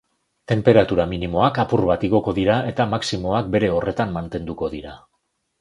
Tenperatura minimoak apur bat igoko dira eta maximoak bere horretan mantenduko dira.